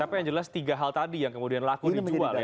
tapi yang jelas tiga hal tadi yang kemudian laku dijual ya